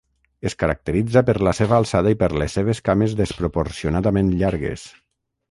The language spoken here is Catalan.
Es caracteritza per la seva alçada i per les seves cames desproporcionadament llargues.